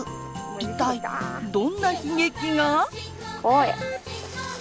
一体どんな悲劇が。